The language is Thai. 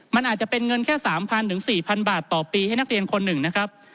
มันอาจจะเป็นเงินแค่๓๐๐๔๐๐บาทต่อปีให้นักเรียนคนหนึ่งนะครับ